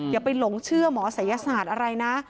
อย่าไปหลงเชื่อหมอศัยศาสตร์อะไรนะ